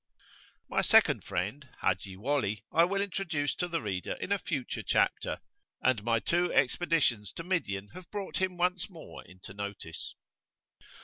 My second friend, Haji Wali, I will introduce to the reader in a future chapter; and my two expeditions to Midian have brought him once more into notice.